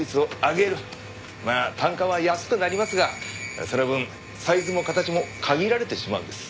まあ単価は安くなりますがその分サイズも形も限られてしまうんです。